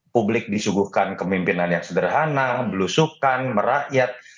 publik disuguhkan kemimpinan yang sederhana belusukan merakyat